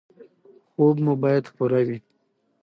خوب مو باید پوره وي.